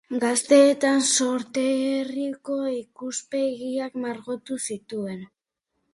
Gaztetan sorterriko ikuspegiak margotu zituen.